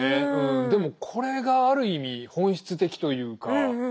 でもこれがある意味本質的というか。